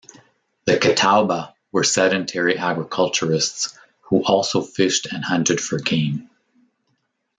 The Catawba were sedentary agriculturists, who also fished and hunted for game.